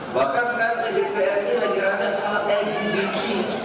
bahkan sekarang di dpr ini lagi ramai soal lgbt